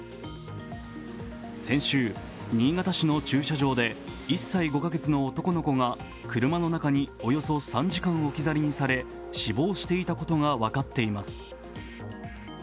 先週、新潟市の駐車場で１歳５カ月の男の子が車の中におよそ３時間置き去りにされ、死亡したことが分かっています